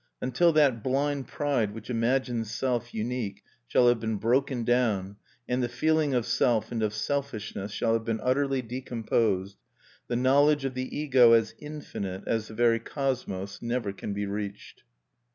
Until that blind pride which imagines Self unique shall have been broken down, and the feeling of self and of selfishness shall have been utterly decomposed, the knowledge of the Ego as infinite, as the very Cosmos, never can be reached.